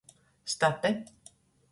State.